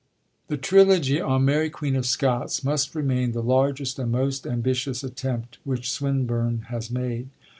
The trilogy on Mary Queen of Scots must remain the largest and most ambitious attempt which Swinburne has made.